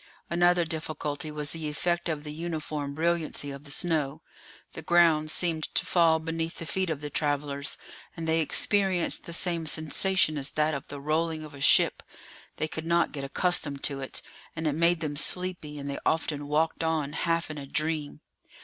Another difficulty was the effect of the uniform brilliancy of the snow; the ground seemed to fall beneath the feet of the travellers, and they experienced the same sensation as that of the rolling of a ship; they could not get accustomed to it, and it made them sleepy, and they often walked on half in a dream.